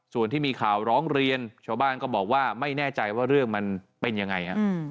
ส่วนที่มีข่าวร้องเรียนชาวบ้านก็บอกว่าไม่แน่ใจว่าเรื่องมันเป็นยังไง